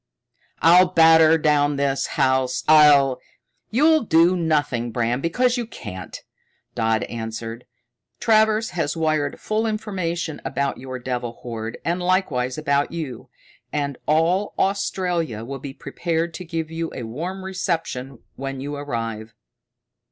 "I'll batter down this house. I'll " "You'll do nothing, Bram, because you can't," Dodd answered. "Travers has wired full information about your devil horde, and likewise about you, and all Australia will be prepared to give you a warm reception when you arrive."